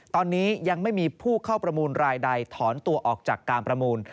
ตอนนี้ยังไม่มีผู้เข้าประมูลรายใดถอนตัวออกจากการประมูล